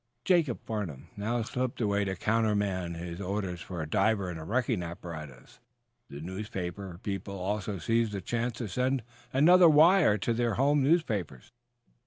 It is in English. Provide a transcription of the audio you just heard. Jacob Farnum now slipped away to countermand his orders for a diver and wrecking apparatus, the newspaper people also seizing the chance to send another wire to their home newspapers.